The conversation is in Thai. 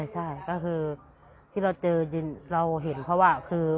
ใช่ก็คือที่เราเจอเราเห็นเพราะว่าคือ